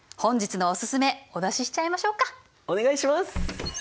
お願いします。